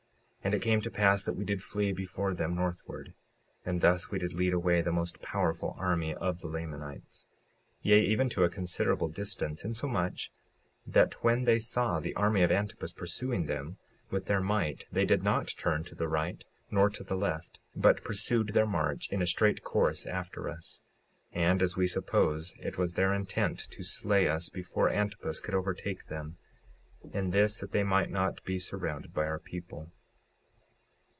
56:36 And it came to pass that we did flee before them, northward. And thus we did lead away the most powerful army of the Lamanites; 56:37 Yea, even to a considerable distance, insomuch that when they saw the army of Antipus pursuing them, with their might, they did not turn to the right nor to the left, but pursued their march in a straight course after us; and, as we suppose, it was their intent to slay us before Antipus should overtake them, and this that they might not be surrounded by our people.